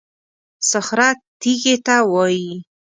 صخره تېږې ته وایي.